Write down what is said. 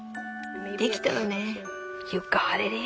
できたわね。